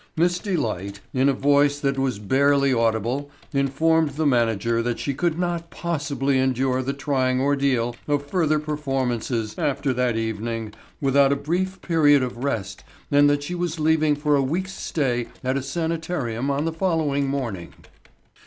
Miss Delight, in a voice that was barely audible, informed the manager that she could not possibly endure the trying ordeal of further performances after that evening without a brief period of rest and that she was leaving for a week's stay at a sanitarium on the following morning.